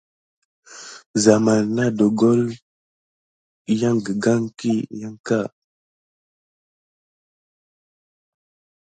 Zamane nà ɗongole gəlgane kiyan kā.